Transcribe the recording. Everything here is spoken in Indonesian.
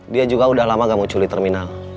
dia juga udah lama gak muncul di terminal